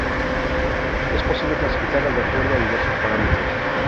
Es posible clasificarlas de acuerdo a diversos parámetros.